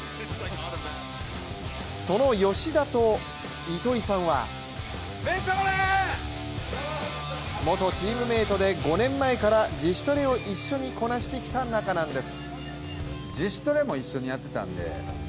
その吉田と糸井さんは元チームメートで５年前から自主トレを一緒にこなしてきた仲なんです。